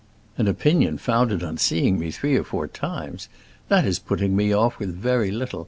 "An opinion founded on seeing me three or four times? That is putting me off with very little.